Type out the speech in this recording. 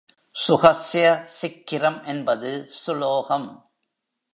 சுகஸ்ய சிக்கிரம் என்பது சுலோகம்.